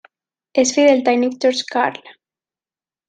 És fill del tècnic George Karl.